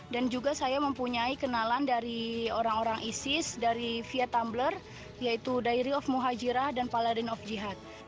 dan juga saya mempunyai kenalan dari orang orang isis dari via tumblr yaitu diary of muhajirah dan paladin of jihad